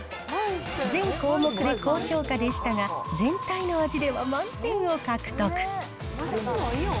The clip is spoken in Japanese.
全項目で高評価でしたが、全体の味では満点を獲得。